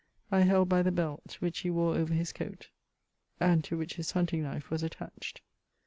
I held by the belt, which he wore over his coat, and to which his hunting knife was attached.